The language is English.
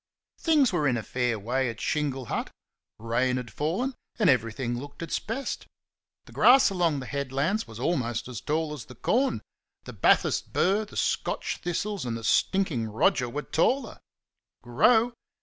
Things were in a fair way at Shingle Hut; rain had fallen and everything looked its best. The grass along the headlands was almost as tall as the corn; the Bathurst burr, the Scotch thistles, and the "stinking Roger" were taller. Grow!